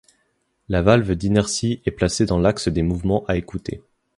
La valve d'inertie est placée dans l'axe des mouvements à écouter.